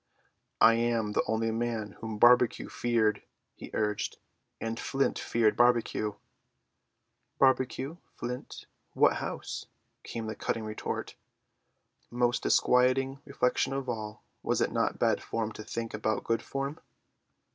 "I am the only man whom Barbecue feared," he urged, "and Flint feared Barbecue." "Barbecue, Flint—what house?" came the cutting retort. Most disquieting reflection of all, was it not bad form to think about good form?